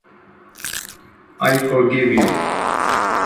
I forgive you.